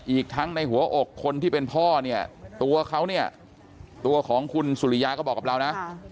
อีกทั้งในหัวอกคนที่เป็นพ่อเนี่ยตัวเขาเนี่ยตัวของคุณสุริยาก็บอกกับเรานะ